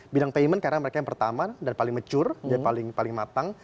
bidang payment karena mereka yang pertama dan paling mature dia paling matang